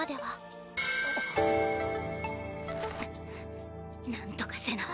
心の声なんとかせな